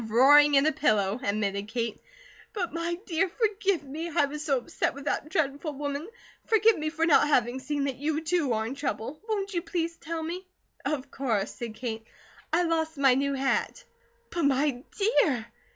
"Roaring in a pillow," admitted Kate. "But my dear, forgive me! I was so upset with that dreadful woman. Forgive me for not having seen that you, too, are in trouble. Won't you please tell me?" "Of course," said Kate. "I lost my new hat." "But, my dear!